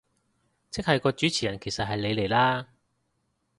即係個主持人其實係你嚟啦